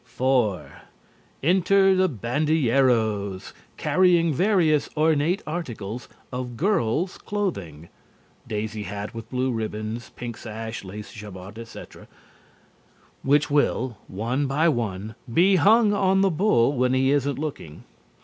4. Enter the bandilleros, carrying various ornate articles of girls' clothing (daisy hat with blue ribbons, pink sash, lace jabot, etc.) which will, one by one, be hung on the bull when he isn't looking.